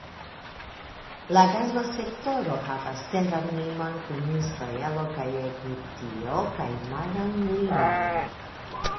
La Gaza Sektoro havas teran limon kun Israelo kaj Egiptio kaj maran limon.